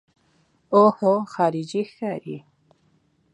اوهو خارجۍ ښکاري.